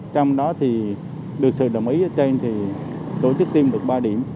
trong đó thì được sự đồng ý ở trên thì tổ chức tiêm được ba điểm